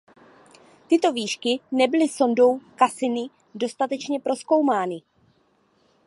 Tyto výšky nebyly sondou Cassini dostatečně prozkoumány.